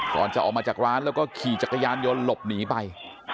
ก่อนจะออกมาจากร้านแล้วก็ขี่จักรยานยนต์หลบหนีไป